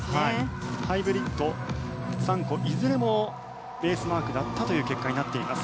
ハイブリッド３個いずれもベースマークだったという結果。